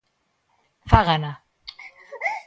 Fágana.